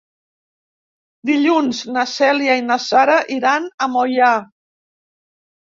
Dilluns na Cèlia i na Sara iran a Moià.